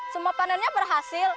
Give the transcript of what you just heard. semua panennya berhasil